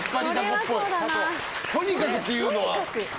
とにかくというのは？